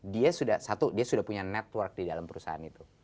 dia sudah satu dia sudah punya network di dalam perusahaan itu